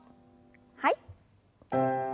はい。